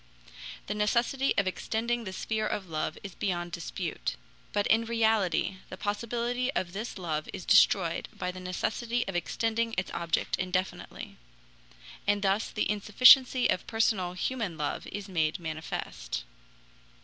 The necessity of extending the sphere of love is beyond dispute. But in reality the possibility of this love is destroyed by the necessity of extending its object indefinitely. And thus the insufficiency of personal human love is made manifest.